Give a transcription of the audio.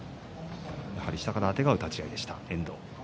やはり下からあてがう立ち合いでした遠藤。